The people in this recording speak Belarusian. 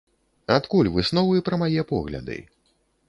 Адкуль высновы пра мае погляды?